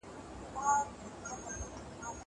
نکاح څه ته ويل کيږي؟